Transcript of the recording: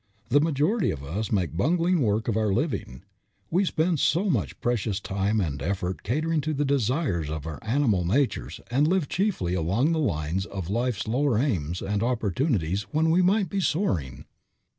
The majority of us make bungling work of our living. We spend much precious time and effort catering to the desires of our animal natures and live chiefly along the lines of life's lower aims and opportunities when we might be soaring.